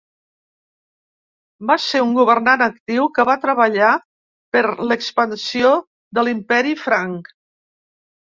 Va ser un governant actiu que va treballar per l’expansió de l’Imperi Franc.